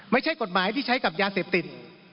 ไม่ใช่กฎหมายที่ใช้กับยาเสพติด